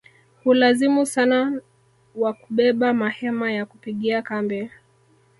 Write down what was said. Hulazimu sana wa kubeba mahema ya kupigia kambi